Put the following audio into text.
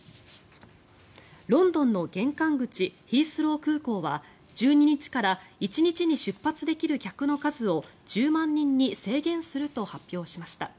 ロンドンの玄関口ヒースロー空港は１２日から１日に出発できる客の数を１０万人に制限すると発表しました。